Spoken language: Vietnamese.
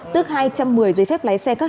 tức hai trăm một mươi giấy phép